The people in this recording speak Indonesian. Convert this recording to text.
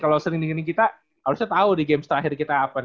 kalo sering dengerin kita harusnya tau di games terakhir kita apa nih